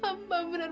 ya allah ya tuhanku